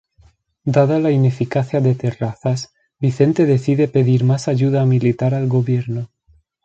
Dada la ineficacia de Terrazas, Vicente decide pedir más ayuda militar al gobierno.